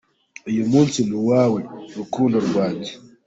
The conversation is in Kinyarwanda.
Uyu munsi ni uwawe, rukundo rwanjye.